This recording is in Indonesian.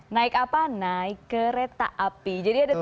naik apa naik kereta api jadi ada tiga